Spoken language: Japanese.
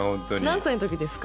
何歳の時ですか？